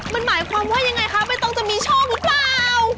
มันหมายความว่ายังไงคะไม่ต้องจะมีโชคหรือเปล่า